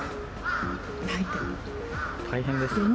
大変ですね。